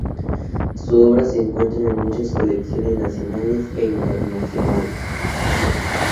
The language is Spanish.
Su obra se encuentra en muchas colecciones nacionales e internacionales.